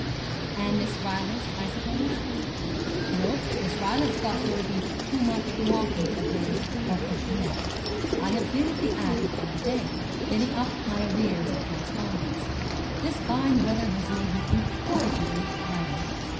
'And Miss Rylance, I suppose?' 'No, Miss Rylance thought there would be too much walking for her or for Pinet. I have been at the Abbey all day, getting up my arrears of correspondence. This fine weather has made me incorrigibly idle.